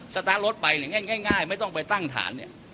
สตาร์ทรถไปเนี่ยง่ายไม่ต้องไปตั้งฐานเนี่ย